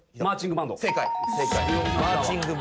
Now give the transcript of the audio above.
マーチングバンド正解。